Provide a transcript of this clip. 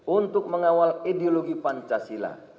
untuk mengawal ideologi pancasila